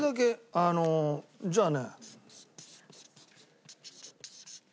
あのじゃあね。